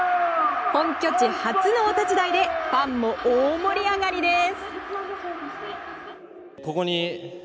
本拠地初のお立ち台でファンも大盛り上がりです。